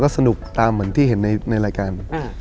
สนุกตามเหมือนที่เห็นในรายการ